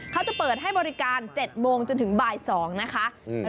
เขาจะเปิดให้บริการ๗โมงจนถึงบ่าย๒นะคะ